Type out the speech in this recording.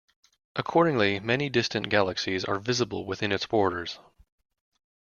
Accordingly, many distant galaxies are visible within its borders.